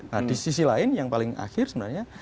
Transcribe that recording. nah di sisi lain yang paling akhir sebenarnya